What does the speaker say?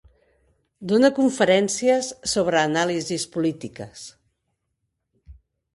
Dona conferències sobre anàlisis polítiques.